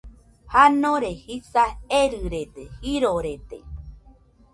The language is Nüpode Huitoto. Janore jisa erɨrede, jirorede